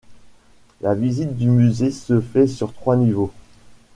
La visite du musée se fait sur trois niveaux.